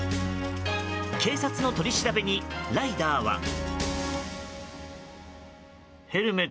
警察の取り調べにライダーは。